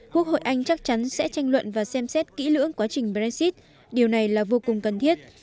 quốc hội anh chắc chắn sẽ tranh luận và xem xét kỹ lưỡng quá trình brexit điều này là vô cùng cần thiết